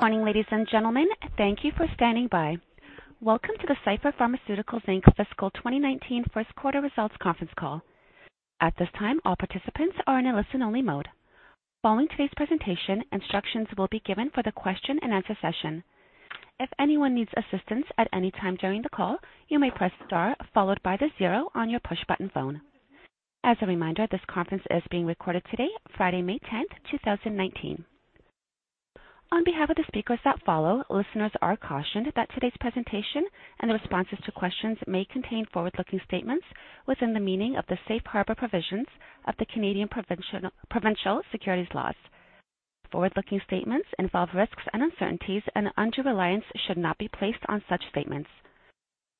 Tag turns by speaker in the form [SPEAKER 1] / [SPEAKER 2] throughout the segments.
[SPEAKER 1] Morning, ladies and gentlemen. Thank you for standing by. Welcome to the Cipher Pharmaceuticals Inc. fiscal 2019 Q1 results conference call. At this time, all participants are in a listen-only mode. Following today's presentation, instructions will be given for the question-and-answer session. If anyone needs assistance at any time during the call, you may press star followed by the zero on your push-button phone. As a reminder, this conference is being recorded today, Friday, 10 May 2019. On behalf of the speakers that follow, listeners are cautioned that today's presentation and the responses to questions may contain forward-looking statements within the meaning of the safe harbor provisions of the Canadian Provincial Securities Laws. Forward-looking statements involve risks and uncertainties, and undue reliance should not be placed on such statements.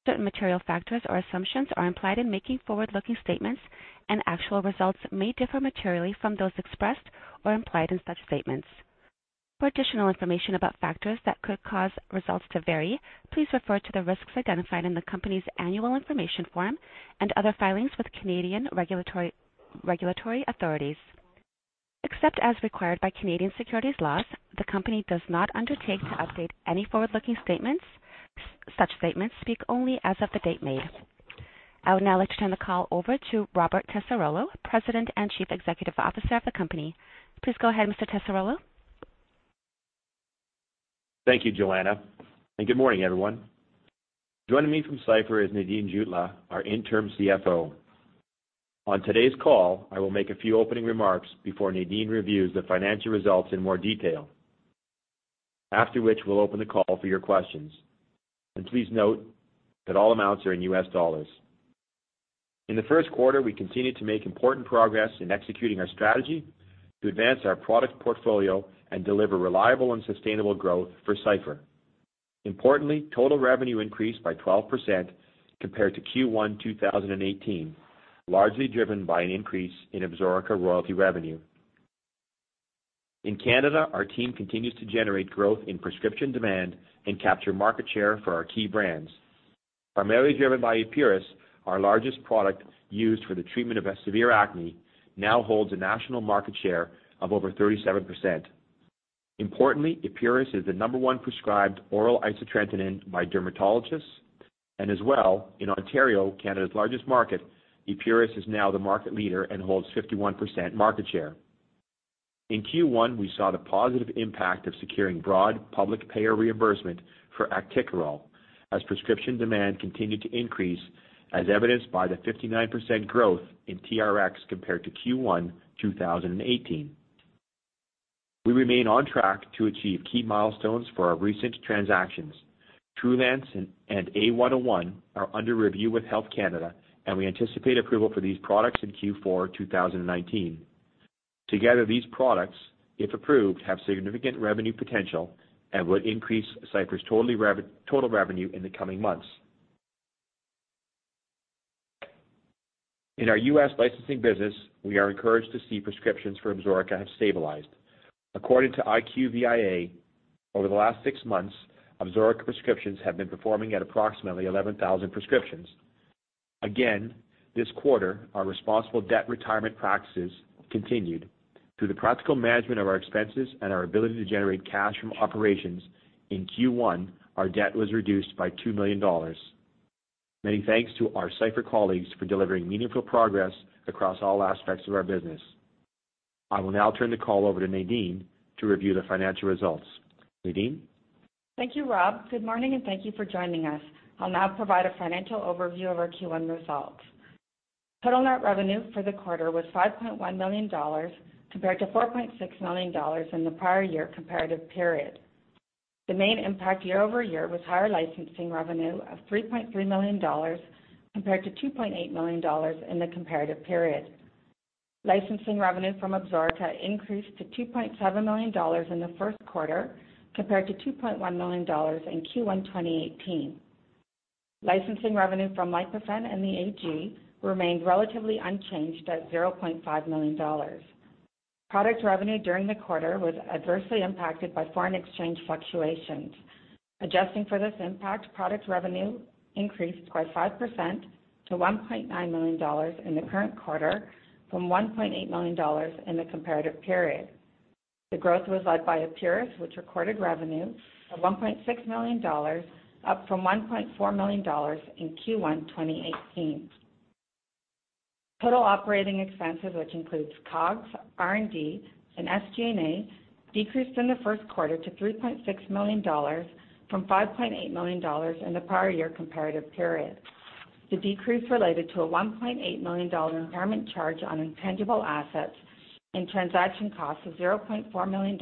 [SPEAKER 1] Certain material factors or assumptions are implied in making forward-looking statements, and actual results may differ materially from those expressed or implied in such statements. For additional information about factors that could cause results to vary, please refer to the risks identified in the company's annual information form and other filings with Canadian regulatory authorities. Except as required by Canadian Securities Laws, the company does not undertake to update any forward-looking statements. Such statements speak only as of the date made. I would now like to turn the call over to Robert Tessarolo, President and Chief Executive Officer of the company. Please go ahead, Mr. Tessarolo.
[SPEAKER 2] Thank you, Joanna. Good morning, everyone. Joining me from Cipher is Nadine Jutlah, our Interim CFO. On today's call, I will make a few opening remarks before Nadine reviews the financial results in more detail, after which we'll open the call for your questions. Please note that all amounts are in US dollars. In the Q1, we continued to make important progress in executing our strategy to advance our product portfolio and deliver reliable and sustainable growth for Cipher. Importantly, total revenue increased by 12% compared to Q1 2018, largely driven by an increase in Absorica royalty revenue. In Canada, our team continues to generate growth in prescription demand and capture market share for our key brands. Primarily driven by Epuris, our largest product used for the treatment of severe acne, now holds a national market share of over 37%. Importantly, Epuris is the number one prescribed oral isotretinoin by dermatologists, and as well, in Ontario, Canada's largest market, Epuris is now the market leader and holds 51% market share. In Q1, we saw the positive impact of securing broad public payer reimbursement for Actikerall as prescription demand continued to increase, as evidenced by the 59% growth in TRx compared to Q1 2018. We remain on track to achieve key milestones for our recent transactions. Trulance and A-101 are under review with Health Canada, and we anticipate approval for these products in Q4 2019. Together, these products, if approved, have significant revenue potential and would increase Cipher's total revenue in the coming months. In our U.S. licensing business, we are encouraged to see prescriptions for Absorica have stabilized. According to IQVIA, over the last six months, Absorica prescriptions have been performing at approximately 11,000 prescriptions. Again, this quarter, our responsible debt retirement practices continued. Through the practical management of our expenses and our ability to generate cash from operations, in Q1, our debt was reduced by $2 million. Many thanks to our Cipher colleagues for delivering meaningful progress across all aspects of our business. I will now turn the call over to Nadine to review the financial results. Nadine?
[SPEAKER 3] Thank you, Rob. Good morning, and thank you for joining us. I'll now provide a financial overview of our Q1 results. Total net revenue for the quarter was $5.1 million compared to $4.6 million in the prior year comparative period. The main impact year-over-year was higher licensing revenue of $3.3 million compared to $2.8 million in the comparative period. Licensing revenue from Absorica increased to $2.7 million in the Q1 compared to $2.1 million in Q1 2018. Licensing revenue from Lipofen and the AG remained relatively unchanged at $0.5 million. Product revenue during the quarter was adversely impacted by foreign exchange fluctuations. Adjusting for this impact, product revenue increased by 5% to $1.9 million in the current quarter from $1.8 million in the comparative period. The growth was led by Epuris, which recorded revenue of $1.6 million, up from $1.4 million in Q1 2018. Total operating expenses, which includes COGS, R&D, and SG&A, decreased in the Q1 to $3.6 million from $5.8 million in the prior year comparative period. The decrease related to a $1.8 million impairment charge on intangible assets and transaction costs of $0.4 million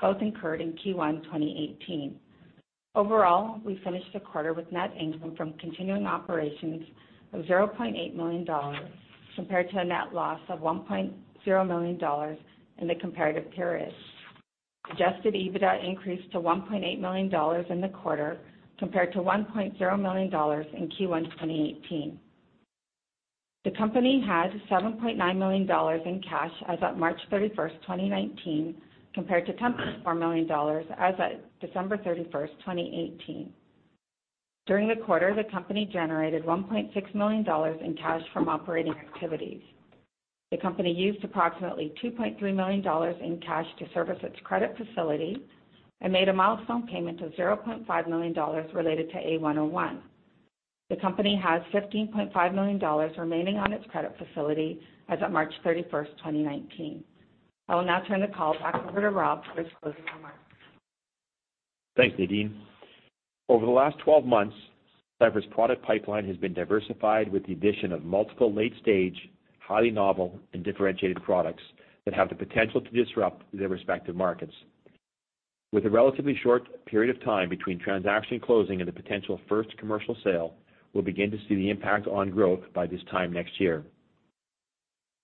[SPEAKER 3] both incurred in Q1 2018. Overall, we finished the quarter with net income from continuing operations of $0.8 million compared to a net loss of $1.0 million in the comparative period. Adjusted EBITDA increased to $1.8 million in the quarter compared to $1.0 million in Q1 2018. The company had $7.9 million in cash as of March 31st, 2019, compared to $10.4 million as of December 31st, 2018. During the quarter, the company generated $1.6 million in cash from operating activities. The company used approximately $2.3 million in cash to service its credit facility and made a milestone payment of $0.5 million related to A-101. The company has $15.5 million remaining on its credit facility as of 31 March, 2019. I will now turn the call back over to Rob for his closing remarks.
[SPEAKER 2] Thanks, Nadine. Over the last 12 months, Cipher's product pipeline has been diversified with the addition of multiple late-stage, highly novel, and differentiated products that have the potential to disrupt their respective markets. With a relatively short period of time between transaction closing and the potential first commercial sale, we'll begin to see the impact on growth by this time next year.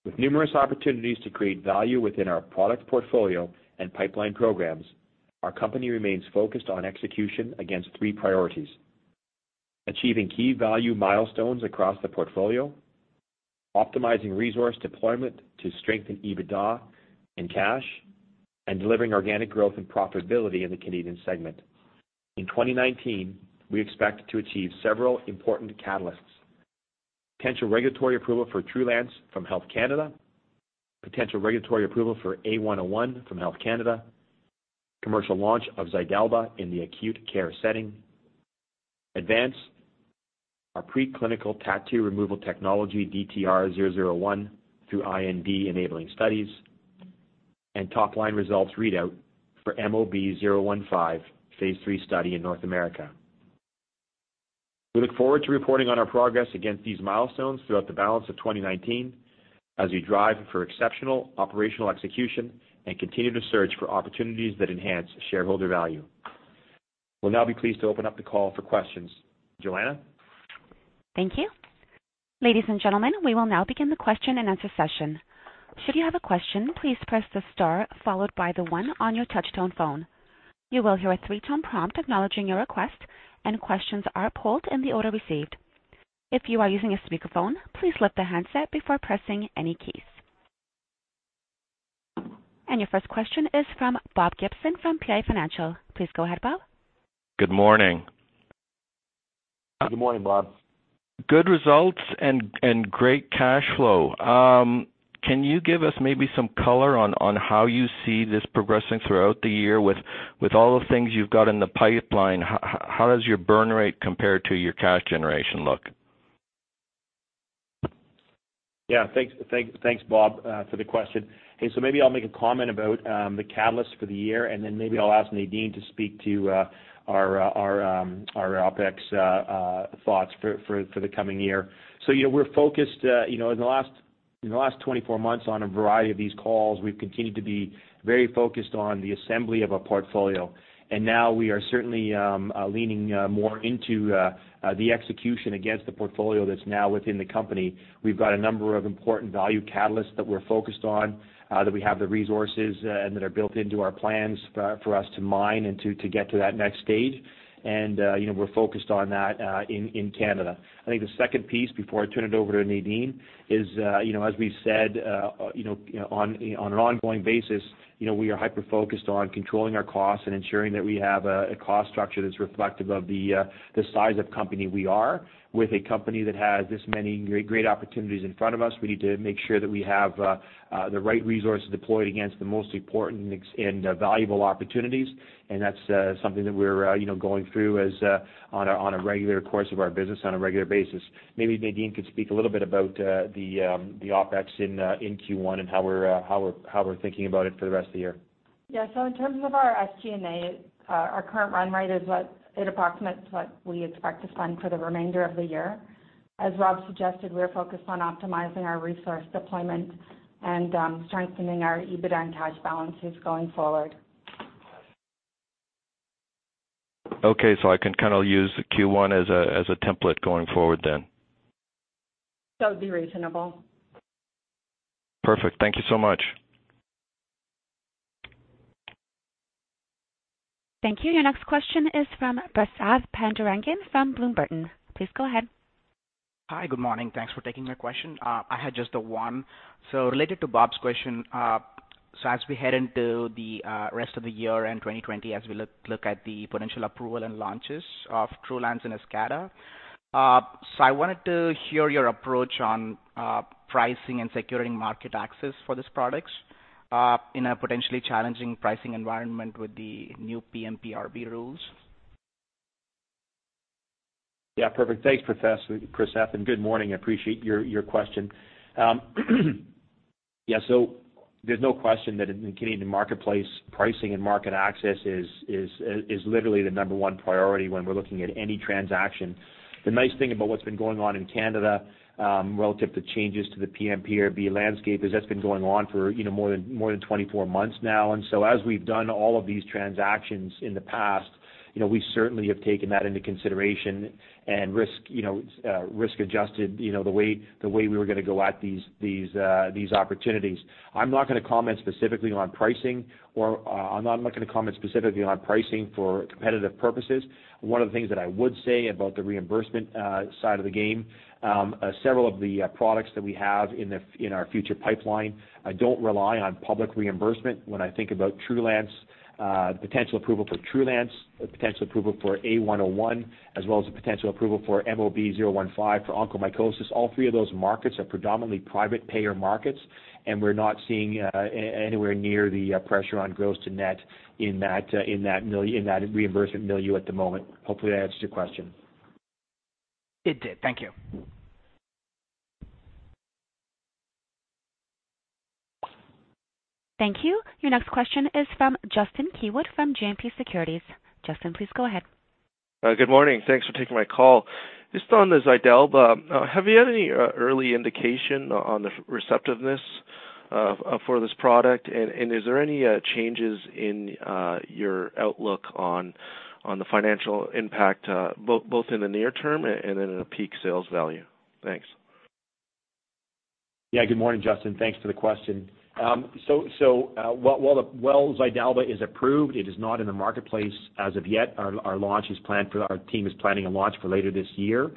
[SPEAKER 2] With numerous opportunities to create value within our product portfolio and pipeline programs, our company remains focused on execution against three priorities: achieving key value milestones across the portfolio, optimizing resource deployment to strengthen EBITDA and cash, and delivering organic growth and profitability in the Canadian segment. In 2019, we expect to achieve several important catalysts: potential regulatory approval for Trulance from Health Canada, potential regulatory approval for A-101 from Health Canada, commercial launch of Xydalba in the acute care setting, advance our preclinical tattoo removal technology DTR-001 through IND-enabling studies, and top-line results readout for MOB-015 phase III study in North America. We look forward to reporting on our progress against these milestones throughout the balance of 2019 as we drive for exceptional operational execution and continue to search for opportunities that enhance shareholder value. We'll now be pleased to open up the call for questions. Joanna?
[SPEAKER 1] Thank you. Ladies and gentlemen, we will now begin the question-and-answer session. Should you have a question, please press the star followed by the one on your touch-tone phone. You will hear a three-tone prompt acknowledging your request, and questions are polled in the order received. If you are using a speakerphone, please lift the handset before pressing any keys, and your first question is from Bob Gibson from PI Financial. Please go ahead, Bob.
[SPEAKER 4] Good morning.
[SPEAKER 2] Good morning, Bob.
[SPEAKER 4] Good results and great cash flow. Can you give us maybe some color on how you see this progressing throughout the year with all the things you've got in the pipeline? How does your burn rate compare to your cash generation look?
[SPEAKER 2] Yeah. Thanks, Bob, for the question. And so maybe I'll make a comment about the catalysts for the year, and then maybe I'll ask Nadine to speak to our OPEX thoughts for the coming year. So we're focused in the last 24 months on a variety of these calls. We've continued to be very focused on the assembly of a portfolio. And now we are certainly leaning more into the execution against the portfolio that's now within the company. We've got a number of important value catalysts that we're focused on, that we have the resources and that are built into our plans for us to mine and to get to that next stage. And we're focused on that in Canada. I think the second piece before I turn it over to Nadine is, as we've said, on an ongoing basis, we are hyper-focused on controlling our costs and ensuring that we have a cost structure that's reflective of the size of company we are. With a company that has this many great opportunities in front of us, we need to make sure that we have the right resources deployed against the most important and valuable opportunities, and that's something that we're going through on a regular course of our business on a regular basis. Maybe Nadine could speak a little bit about the OPEX in Q1 and how we're thinking about it for the rest of the year.
[SPEAKER 3] Yeah. In terms of our SG&A, our current run rate is at approximately what we expect to spend for the remainder of the year. As Rob suggested, we're focused on optimizing our resource deployment and strengthening our EBITDA and cash balances going forward.
[SPEAKER 4] Okay. So I can kind of use Q1 as a template going forward then?
[SPEAKER 3] That would be reasonable.
[SPEAKER 4] Perfect. Thank you so much.
[SPEAKER 1] Thank you. Your next question is from Prasath Pandurangan from Bloom Burton & Co. Please go ahead.
[SPEAKER 5] Hi. Good morning. Thanks for taking my question. I had just the one. So related to Bob's question, so as we head into the rest of the year and 2020, as we look at the potential approval and launches of Trulance and Eskata, so I wanted to hear your approach on pricing and securing market access for these products in a potentially challenging pricing environment with the new PMPRB rules.
[SPEAKER 2] Yeah. Perfect. Thanks, Prasath. Good morning. I appreciate your question. Yeah. So there's no question that in the Canadian marketplace, pricing and market access is literally the number one priority when we're looking at any transaction. The nice thing about what's been going on in Canada relative to changes to the PMPRB landscape is that's been going on for more than 24 months now. And so as we've done all of these transactions in the past, we certainly have taken that into consideration and risk-adjusted the way we were going to go at these opportunities. I'm not going to comment specifically on pricing, or I'm not going to comment specifically on pricing for competitive purposes. One of the things that I would say about the reimbursement side of the game, several of the products that we have in our future pipeline don't rely on public reimbursement. When I think about Trulance, the potential approval for Trulance, the potential approval for A-101, as well as the potential approval for MOB-015 for onychomycosis, all three of those markets are predominantly private payer markets, and we're not seeing anywhere near the pressure on gross to net in that reimbursement milieu at the moment. Hopefully, that answers your question.
[SPEAKER 5] It did. Thank you.
[SPEAKER 1] Thank you. Your next question is from Justin Keywood from GMP Securities. Justin, please go ahead.
[SPEAKER 6] Good morning. Thanks for taking my call. Just on the Xydalba, have you had any early indication on the receptiveness for this product? And is there any changes in your outlook on the financial impact both in the near term and then in a peak sales value? Thanks.
[SPEAKER 2] Yeah. Good morning, Justin. Thanks for the question. So while Xydalba is approved, it is not in the marketplace as of yet. Our team is planning a launch for later this year.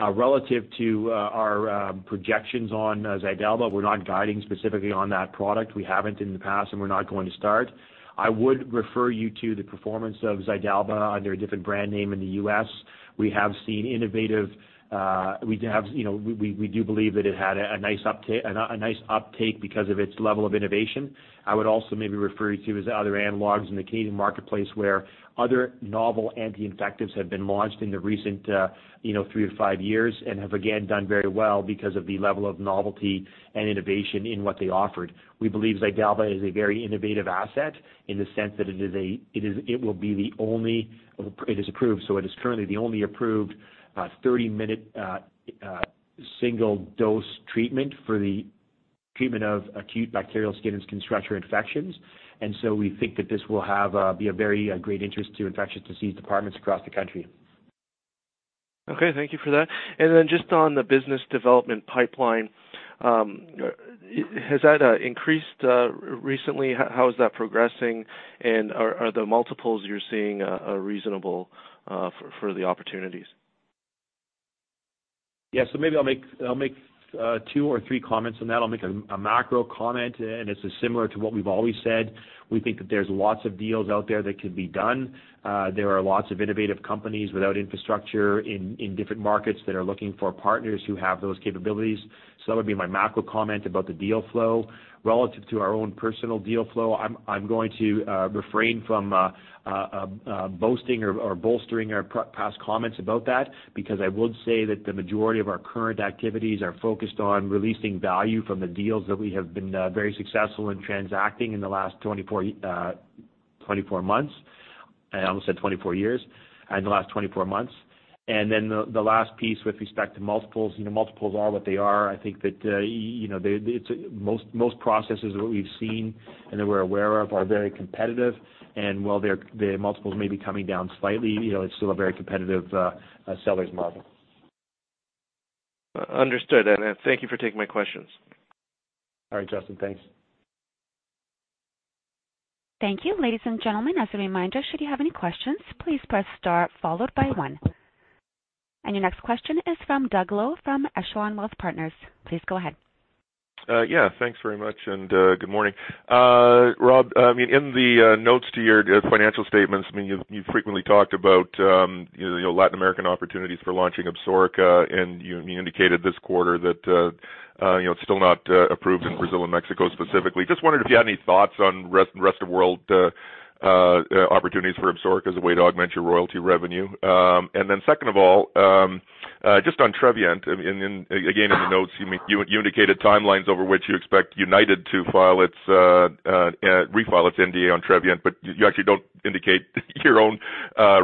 [SPEAKER 2] Relative to our projections on Xydalba, we're not guiding specifically on that product. We haven't in the past, and we're not going to start. I would refer you to the performance of Xydalba under a different brand name in the U.S. We have seen innovative. We do believe that it had a nice uptake because of its level of innovation. I would also maybe refer you to its other analogs in the Canadian marketplace where other novel anti-infectives have been launched in the recent three to five years and have again done very well because of the level of novelty and innovation in what they offered. We believe Xydalba is a very innovative asset in the sense that it will be the only. It is approved. So it is currently the only approved 30-minute single-dose treatment for the treatment of acute bacterial skin and skin structure infections. And so we think that this will have a very great interest to infectious disease departments across the country.
[SPEAKER 6] Okay. Thank you for that. And then just on the business development pipeline, has that increased recently? How is that progressing? And are the multiples you're seeing reasonable for the opportunities?
[SPEAKER 2] Yeah. So maybe I'll make two or three comments on that. I'll make a macro comment, and it's similar to what we've always said. We think that there's lots of deals out there that can be done. There are lots of innovative companies without infrastructure in different markets that are looking for partners who have those capabilities. So that would be my macro comment about the deal flow. Relative to our own personal deal flow, I'm going to refrain from boasting or bolstering our past comments about that because I would say that the majority of our current activities are focused on releasing value from the deals that we have been very successful in transacting in the last 24 months, and I almost said 24 years, and the last 24 months. And then the last piece with respect to multiples, multiples are what they are. I think that most processes that we've seen and that we're aware of are very competitive, and while the multiples may be coming down slightly, it's still a very competitive seller's market.
[SPEAKER 6] Understood. And thank you for taking my questions.
[SPEAKER 2] All right, Justin. Thanks.
[SPEAKER 1] Thank you. Ladies and gentlemen, as a reminder, should you have any questions, please press star followed by one. And your next question is from Doug Loe from Echelon Wealth Partners. Please go ahead.
[SPEAKER 7] Yeah. Thanks very much. And good morning. Rob, I mean, in the notes to your financial statements, I mean, you've frequently talked about Latin American opportunities for launching Absorica, and you indicated this quarter that it's still not approved in Brazil and Mexico specifically. Just wondered if you had any thoughts on rest-of-world opportunities for Absorica as a way to augment your royalty revenue. And then second of all, just on Trevyent, again, in the notes, you indicated timelines over which you expect United to refile its NDA on Trevyent, but you actually don't indicate your own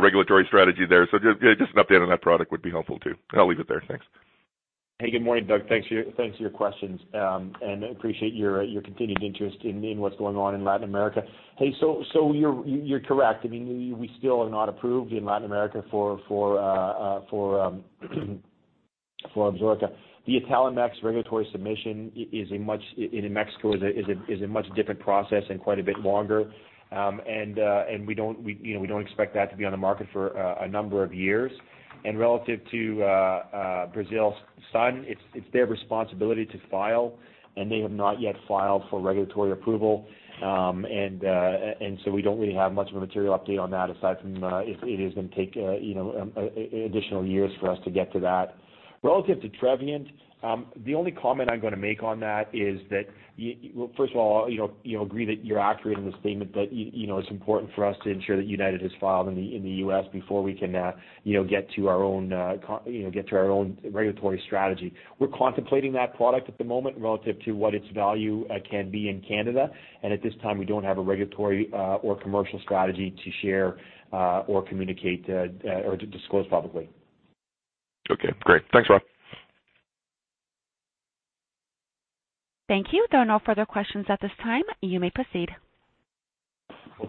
[SPEAKER 7] regulatory strategy there. So just an update on that product would be helpful too. I'll leave it there. Thanks.
[SPEAKER 2] Hey, good morning, Doug. Thanks for your questions. And I appreciate your continued interest in what's going on in Latin America. Hey, so you're correct. I mean, we still are not approved in Latin America for Absorica. The Italmex regulatory submission in Mexico is a much different process and quite a bit longer. And we don't expect that to be on the market for a number of years. And relative to Sun Pharma, it's their responsibility to file, and they have not yet filed for regulatory approval. And so we don't really have much of a material update on that aside from if it is going to take additional years for us to get to that. Relative to Trevyent, the only comment I'm going to make on that is that, well, first of all, you agree that you're accurate in the statement that it's important for us to ensure that United has filed in the U.S. before we can get to our own regulatory strategy. We're contemplating that product at the moment relative to what its value can be in Canada, and at this time, we don't have a regulatory or commercial strategy to share or communicate or disclose publicly.
[SPEAKER 7] Okay. Great. Thanks, Rob.
[SPEAKER 1] Thank you. There are no further questions at this time. You may proceed.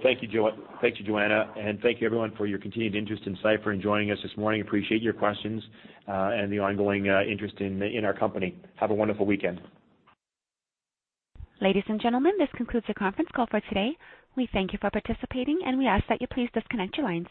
[SPEAKER 2] Thank you, Joanna. Thank you, everyone, for your continued interest in Cipher and joining us this morning. Appreciate your questions and the ongoing interest in our company. Have a wonderful weekend.
[SPEAKER 1] Ladies and gentlemen, this concludes the conference call for today. We thank you for participating, and we ask that you please disconnect your lines.